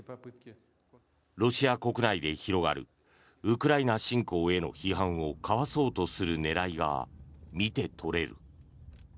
ロシア国内で広がるウクライナ侵攻への批判をかわそうとする狙いが見て取れる。